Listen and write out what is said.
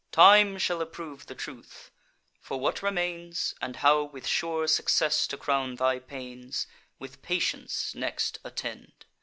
Time shall approve the truth. For what remains, And how with sure success to crown thy pains, With patience next attend.